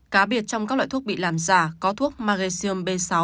cá biệt trong các loại thuốc bị làm giả có thuốc mageio b sáu